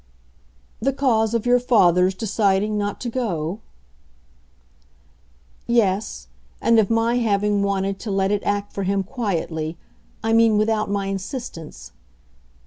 "The cause of your father's deciding not to go?" "Yes, and of my having wanted to let it act for him quietly I mean without my insistence."